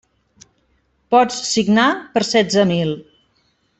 Pots signar per setze mil.